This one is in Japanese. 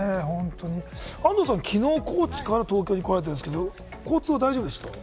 安藤さん、きのう高知から東京に来られたんですけれども、交通は大丈夫でしたか？